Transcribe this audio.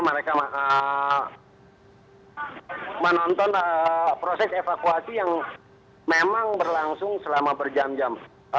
mereka menonton proses evakuasi yang memang berlangsung selama berjam jam